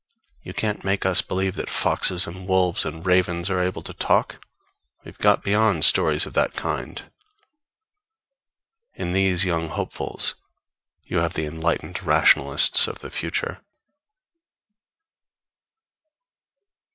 You can't make us believe that foxes and wolves and ravens are able to talk; we've got beyond stories of that kind_! In these young hopefuls you have the enlightened Rationalists of the future.